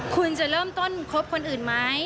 คุณจะเริ่มต้นคบคนอื่นไหม